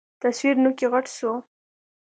تصوير نوکى غټ سو.